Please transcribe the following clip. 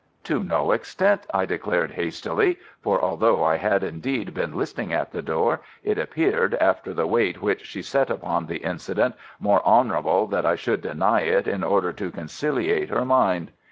"To no extent," I declared hastily (for although I had indeed been listening at the door, it appeared, after the weight which she set upon the incident, more honourable that I should deny it in order to conciliate her mind).